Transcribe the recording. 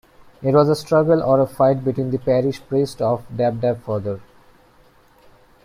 It was a struggle or a fight between the parish priest of Dapdap, fr.